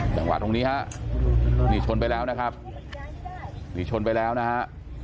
จังหวะตรงนี้ฮะนี่ชนไปแล้วนะครับนี่ชนไปแล้วนะฮะ